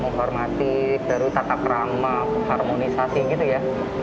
menghormati baru tata kerama harmonisasi gitu ya